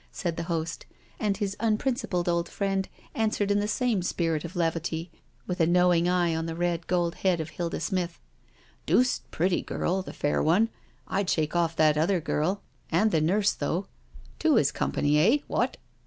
said the host, and his unprincipled old friend answered in the same spirit of levity, with a knowing eye on the red gold head of Hilda Smith: " Deuced pretty girl, the fair one — I'd shake off that other girl and the nurse, though — two is company, eh? what?"